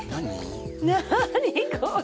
何これ？